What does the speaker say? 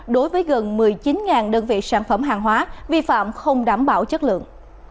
đối với gần một mươi chín đơn vị sản phẩm hàng hóa vi phạm không đảm bảo chất lượng